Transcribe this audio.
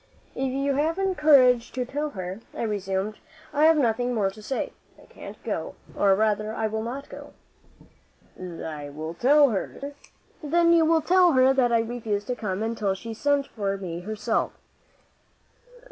"If you haven't courage to tell her," I resumed, "I have nothing more to say. I can't go; or, rather, I will not go." "I will tell her, sir." "Then you will tell her that I refused to come until she sent for me herself."